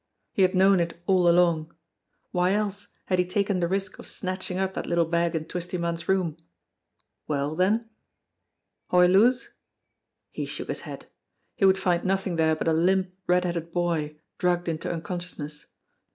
He had known it all along. Why else had he taken the risk of snatching up that little bag in Twisty Munn's room? Well, then? 208 AT A QUARTER TO THREE 209 Hoy Loo's? He shook his head. He would find nothing there but a limp, red headed boy, drugged into unconscious ness.